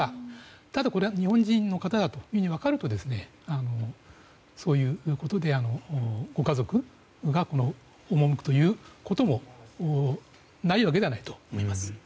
ただ、日本人の方だと分かるとそういうことでご家族が赴くこともないわけではないと思います。